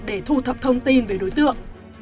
để thu thập thông tin về đối tượng